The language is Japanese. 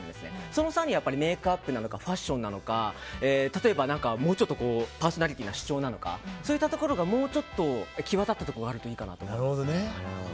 その際にメイクアップなのかファッションなのか例えばもうちょっとパーソナリティーの主張なのかそういったところがもうちょっときわだったところがあるといいなと思います。